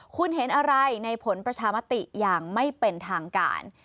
คุณเห็นอะไรในผลประชามติอย่างไม่เป็นทางการ